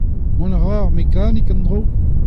Mont a ra ar mekanik en-dro ?